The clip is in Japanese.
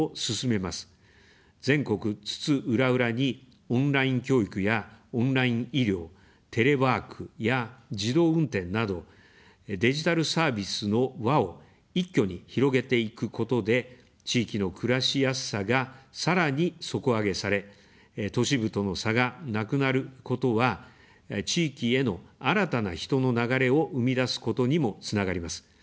全国津々浦々に、オンライン教育やオンライン医療、テレワークや自動運転など、デジタルサービスの輪を一挙に広げていくことで、地域の暮らしやすさが、さらに底上げされ、都市部との差がなくなることは、地域への新たな人の流れを生み出すことにもつながります。